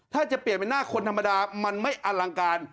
ถ้าจะเปลี่ยนเป็นหน้าคนธรรมดามันไม่อลังการ